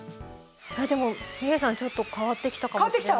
でもみれさんちょっと変わってきたかもしれないです。